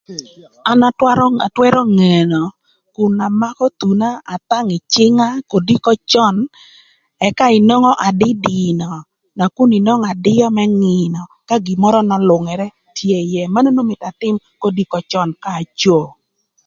An atwörö atwërö ngeno kun amakö thuna, atönö ï cïnga kodiko cön ëka inwongo adïdïnö nakun inwongo adïö më ngïnö ka gin mörö n'ölüngërë tye ïë, manön mïtö atïm kodiko cön ka acoo.